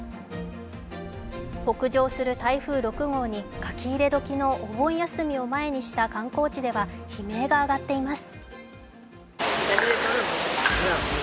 北上する台風６号に書き入れ時のお盆休みを前にした観光地では悲鳴が上がっています。